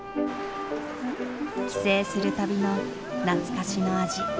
帰省する旅の懐かしの味。